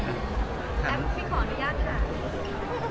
แอ๊บมีของที่อยากหา